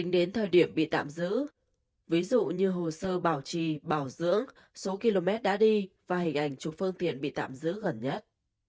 đến thời điểm bị tạm giữ ví dụ như hồ sơ bảo trì bảo dưỡng số km đã đi và hình ảnh chụp phương tiện bị tạm giữ gần nhất